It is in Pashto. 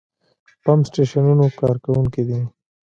پمپ سټېشنونو کارکوونکي دي.